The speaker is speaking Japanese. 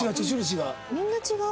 みんな違う。